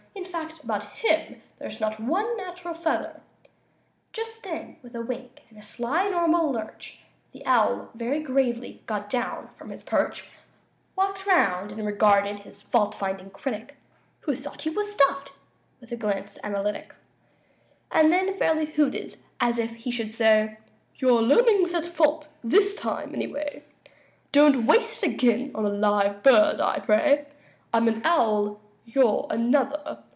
In fact, about him there's not one natural feather." Just then, with a wink and a sly normal lurch, The owl, very gravely, got down from his perch, Walked round, and regarded his fault finding critic (Who thought he was stuffed) with a glance analytic, And then fairly hooted, as if he should say: "Your learning's at fault this time, anyway; Don't waste it again on a live bird, I pray. I'm an owl; you're another.